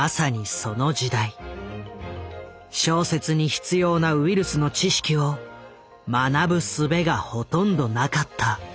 小説に必要なウイルスの知識を学ぶすべがほとんどなかった。